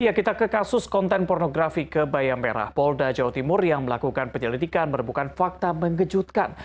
ya kita ke kasus konten pornografi ke bayam merah polda jawa timur yang melakukan penyelidikan merebutkan fakta mengejutkan